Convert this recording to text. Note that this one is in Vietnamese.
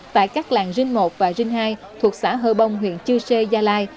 tại các làng rinh một và rinh hai thuộc xã hơ bông huyện chư sê gia lai